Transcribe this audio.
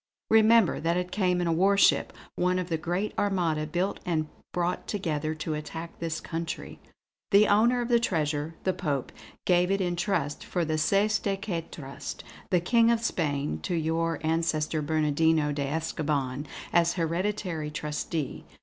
Remember, that it came in a warship, one of the great Armada built and brought together to attack this country. The owner of the treasure, the Pope, gave it in trust for the cestui que trust, the King of Spain to your ancestor Bernardino de Escoban, as hereditary trustee.